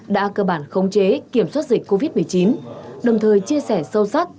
đã cơ bản khống chế kiểm soát dịch covid một mươi chín đồng thời chia sẻ sâu sắc